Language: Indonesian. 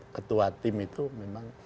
ketua tim itu memang